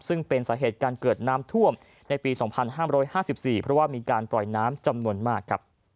ซึ่งเป็นสาเหตุการเกิดน้ำท่วมในปี๒๕๕๔เพราะว่ามีการปล่อยน้ำจำนวนมาก